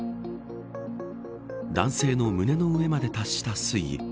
男性の胸の上まで達した水位。